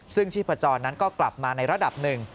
ซึ่งชีพจรนั้นก็กลับมาในระดับหนึ่ง